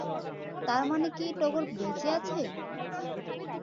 তার মানে কি টগর বেঁচে আছে?